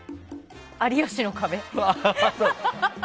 「有吉の壁」。